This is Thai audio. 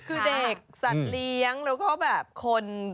คือเด็กสัตว์เลี้ยงแล้วก็แบบคน